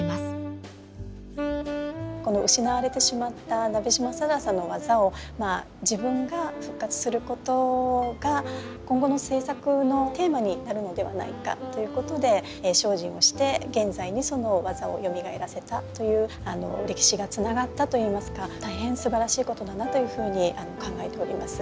この失われてしまった鍋島更紗の技を自分が復活することが今後の制作のテーマになるのではないかということで精進をして現在にその技をよみがえらせたという歴史がつながったといいますか大変すばらしいことだなというふうに考えております。